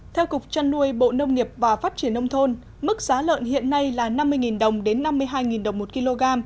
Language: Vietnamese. theo cục trăn nuôi bộ nông nghiệp và phát triển nông thôn mức giá lợn hiện nay là năm mươi đồng đến năm mươi hai đồng một kg